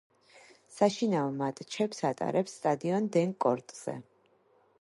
საშინაო მატჩებს ატარებს სტადიონ დენ კორტზე.